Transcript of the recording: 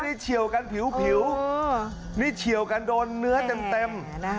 นี่เฉียวกันผิวนี่เฉียวกันโดนเนื้อเต็ม